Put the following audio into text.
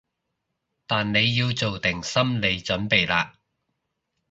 但你要做定心理準備喇